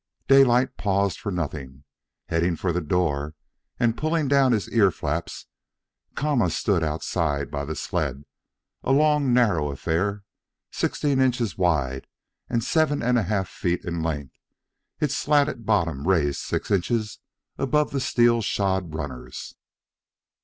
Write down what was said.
Daylight paused for nothing, heading for the door and pulling down his ear flaps. Kama stood outside by the sled, a long, narrow affair, sixteen inches wide and seven and a half feet in length, its slatted bottom raised six inches above the steel shod runners.